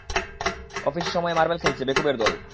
Office সময়ে marble খেলছে, বেকুবের দল!